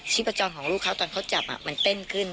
ประจรของลูกเขาตอนเขาจับมันเต้นขึ้น